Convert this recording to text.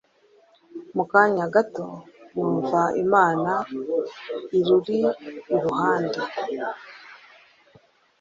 Mu kanya gato yumva Imana irriuri iruhande.